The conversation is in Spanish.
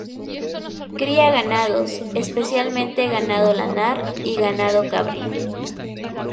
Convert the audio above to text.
Cría ganados, especialmente ganado lanar y ganado cabrio.